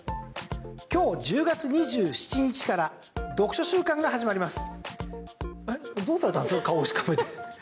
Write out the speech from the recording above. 今日１０月２７日から読書週間が始まります。